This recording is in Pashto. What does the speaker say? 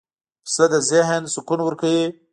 پسه د ذهن سکون ورکوي.